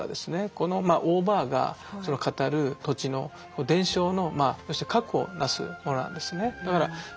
このオーバーが語る土地の伝承の核を成すものなんですね。